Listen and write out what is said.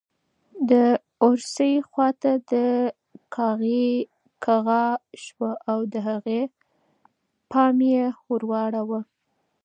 د اورسۍ خواته د کاغۍ کغا شوه او د هغې پام یې ور واړاوه.